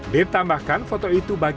ditambahkan foto itu bagiannya